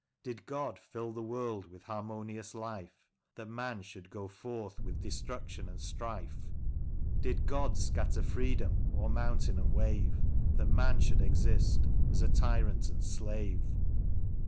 Did God fill the world with harmonious life, That man should go forth with destruction and strife ? Did God scatter freedom o'er mountain and wave. That man should exist as a tyrant and slave